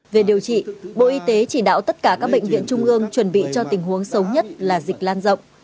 về điều trị bộ y tế chỉ đạo tất cả các bệnh viện trung ương chuẩn bị cho tình huống xấu nhất là dịch lan rộng